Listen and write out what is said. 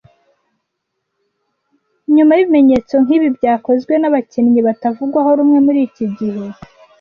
nyuma y ibimenyetso nkibi byakozwe nabakinnyi batavugwaho rumwe muri iki gihe